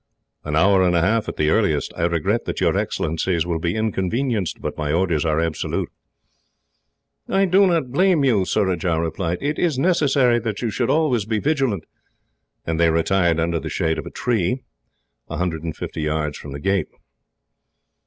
"An hour and a half, at the earliest. I regret that your Excellencies will be inconvenienced, but my orders are absolute." "I do not blame you," Surajah replied. "It is necessary that you should always be vigilant;" and they retired under the shade of a tree, a hundred and fifty yards from the gate.